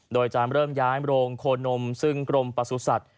โดยจะเริ่มย้ายโรงโคนมซึ่งกรมประสุทธิ์